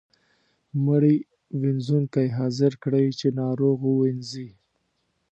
مړي وينځونکی حاضر کړئ چې ناروغ ووینځي.